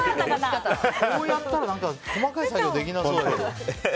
こうやったら細かい作業ができなそう。